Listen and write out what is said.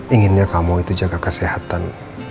inginnya kamu itu jaga kesehatan